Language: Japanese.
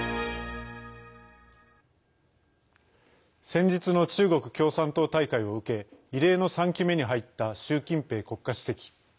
先日の中国共産党大会を受け異例の３期目に入った習近平国家主席。